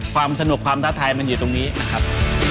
ความสนุกความท้าทายมันอยู่ตรงนี้นะครับ